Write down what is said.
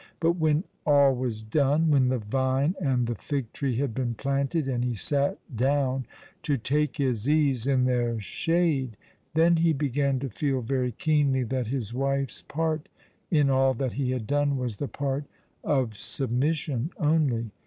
But when all was done ; when the vine and the figtree had been planted, and he sat down to take his ease in their shade, then he began to feel very keenly that his wife's part in all that he had done was the part of submission only.